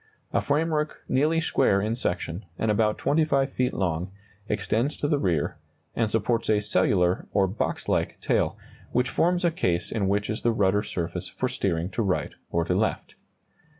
A framework nearly square in section, and about 25 feet long, extends to the rear, and supports a cellular, or box like, tail, which forms a case in which is the rudder surface for steering to right or to left.